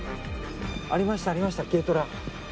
ありましたありました軽トラ。